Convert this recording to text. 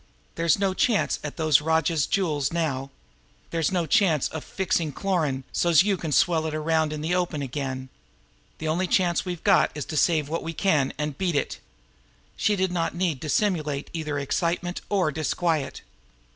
There's no chance at those rajah's jewels now; there's no chance of fixing Cloran so's you can swell it around in the open again the only chance we've got is to save what we can and beat it!" She did not need to simulate either excitement or disquiet.